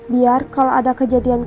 biar kalau ada kejadian